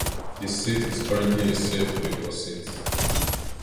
The seat is currently a safe Labor seat.